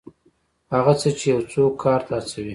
هغه څه چې یو څوک کار ته هڅوي.